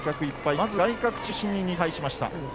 まず外角中心に２球、配しました。